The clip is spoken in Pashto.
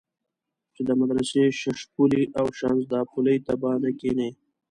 چې د مدرسې ششپولي او شانزدا پلي ته به نه کېنې.